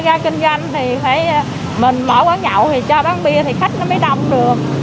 ra kinh doanh thì phải mình mở quán nhậu thì cho bán bia thì khách nó mới động được